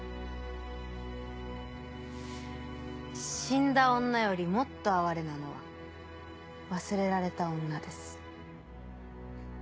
死んだ女よりもっと哀れなのは忘れられた女です。